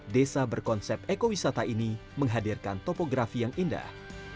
desa berkonsep ekowisata ini menghadirkan topografi yang indah